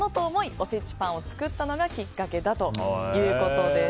おせちパンを作ったのがきっかけだということです。